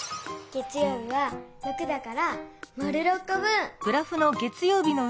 月よう日は６だから丸６こ分。